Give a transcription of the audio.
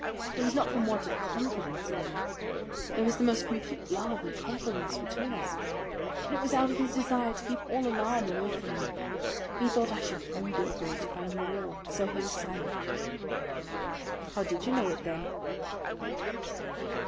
It was not from want of confidence in me there was the most complete love and confidence between us but it was out of his desire to keep all alarm away from me. He thought I should brood over it if I knew all, and so he was silent." "How did you know it, then?"